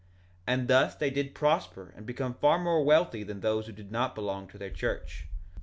1:31 And thus they did prosper and become far more wealthy than those who did not belong to their church.